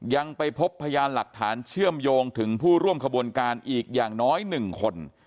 ยังไปพบพยานหลักฐานเชื่อมโยงถึงผู้ร่วมขบวนการอีกอย่างน้อย๑คน